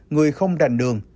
người không rành đường